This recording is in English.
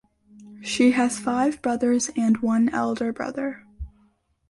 She has five brothers and one elder brother.